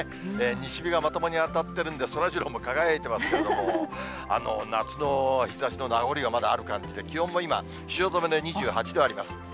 西日がまともに当たってるんで、そらジローも輝いてますけども、夏の日ざしの名残がまだある感じで、気温も今、汐留で２８度あります。